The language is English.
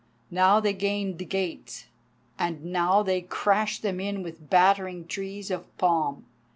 Now they gained the gates, and now they crashed them in with battering trees of palm.